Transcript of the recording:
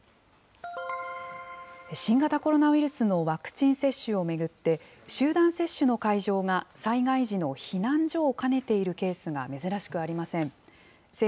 新型コロナウイルスのワクチン接種を巡って、集団接種の会場が災害時の避難所を兼ねているケースが珍しくありません。